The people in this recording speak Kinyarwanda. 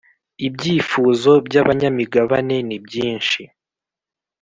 Ibyifuzo byabanyamigabane nibyishi.